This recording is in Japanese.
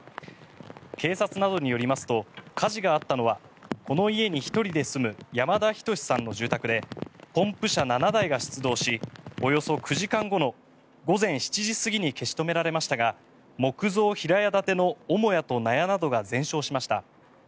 警察などによりますと火事があったのはこの家に１人で住む山田仁さんの住宅でポンプ車７台が出動しおよそ９時間後の午前７時過ぎに消し止められましたが木造平屋建ての母屋と納屋などが全焼しました。